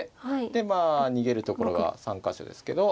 でまあ逃げるところが３か所ですけど。